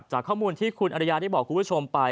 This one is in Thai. จากข้อมูลที่คุณอริยาได้บอกคุณผู้ชมไป